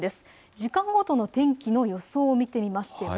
時間ごとの天気の予想を見てみましょう。